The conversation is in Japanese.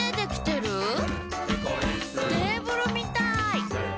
「テーブルみたい」